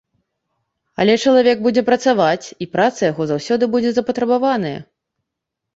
Але чалавек будзе працаваць, і праца яго заўсёды будзе запатрабаваная.